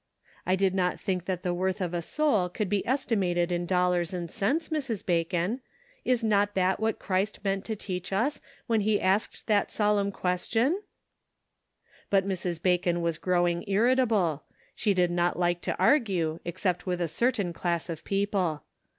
I did not think that the worth of a soul could be estimated in dollars and cents, Mrs. Bacon. Is not that what Christ meant to teach us when he asked that solemn question ?" But Mrs. Bacon was growing irritable : she did not like to argue, except with a certain class of people.